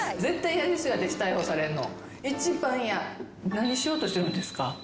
何しようとしてるんですか？